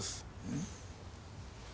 うん？